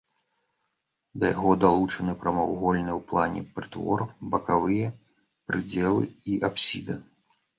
Да яго далучаны прамавугольныя ў плане прытвор, бакавыя прыдзелы і апсіда.